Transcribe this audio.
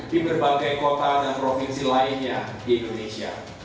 di berbagai kota dan provinsi lainnya di indonesia